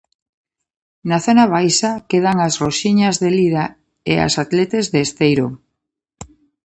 Na zona baixa quedan as roxiñas de Lira e as Atletes de Esteiro.